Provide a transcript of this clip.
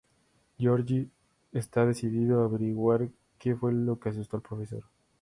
George está decidido a averiguar que fue lo que asustó al profesor.